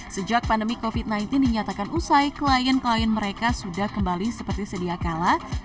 sejak pandemi covid sembilan belas dinyatakan usai klien klien mereka sudah kembali seperti sedia kala